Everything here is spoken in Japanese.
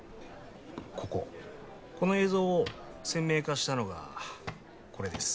こここの映像を鮮明化したのがこれです